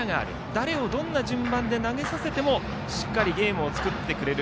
誰をどんな順番で投げさせてもしっかりゲームを作ってくれる。